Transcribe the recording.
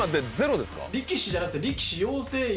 力士じゃなくて。